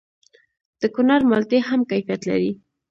د کونړ مالټې هم کیفیت لري.